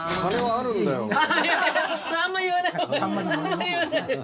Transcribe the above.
あんまり言わない方が。